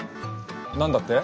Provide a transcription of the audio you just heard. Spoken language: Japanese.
何だって？